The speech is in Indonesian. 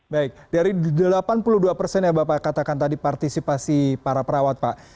baik dari delapan puluh dua persen yang bapak katakan tadi partisipasi para perawat pak